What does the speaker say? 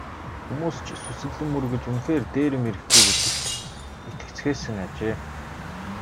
Хүмүүс ч сүсэглэн мөргөж үнэхээр дээрэм ирэхгүй гэдэгт итгэцгээсэн ажээ.